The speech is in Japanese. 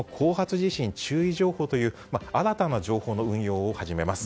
地震注意情報という新たな情報の運用を始めます。